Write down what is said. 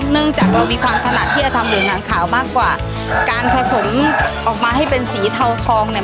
เนื่องจากเรามีความถนัดที่จะทำเหรียญหนังขาวมากกว่าการผสมออกมาให้เป็นสีเทาทองเนี่ย